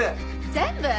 全部！？